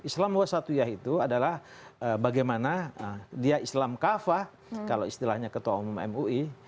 islam wasatuyah itu adalah bagaimana dia islam kafah kalau istilahnya ketua umum mui